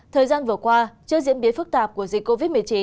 thời gian vừa qua trước diễn biến phức tạp của dịch covid một mươi chín